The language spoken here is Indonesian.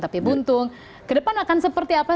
tapi buntung ke depan akan seperti apa